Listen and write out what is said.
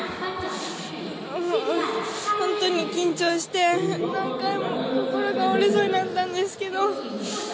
本当に緊張して何回も心が折れそうになったんですけど。